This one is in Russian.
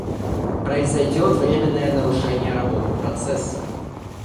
Произойдет временное нарушение работы процесса